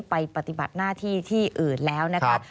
ปฏิบัติหน้าที่ที่อื่นแล้วนะคะ